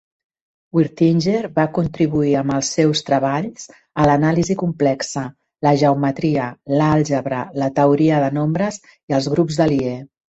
Wirtinger va contribuir amb els seus treballs a l'anàlisi complexa, la geometria, l'àlgebra, la teoria de nombres i els grups de Lie.